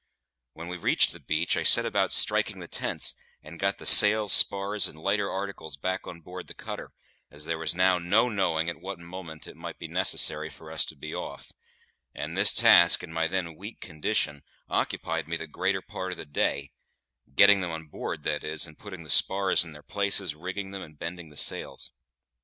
When we reached the beach, I set about striking the tents, and got the sails, spars, and lighter articles back on board the cutter, as there was now no knowing at what moment it might be necessary for us to be off; and this task, in my then weak condition, occupied me the greater part of the day getting them on board, that is, and putting the spars in their places, rigging them, and bending the sails.